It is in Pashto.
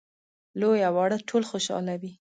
لوی او واړه ټول خوشاله وي.